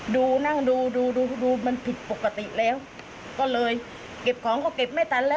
ดูนั่งดูดูดูดูมันผิดปกติแล้วก็เลยเก็บของก็เก็บไม่ทันแล้ว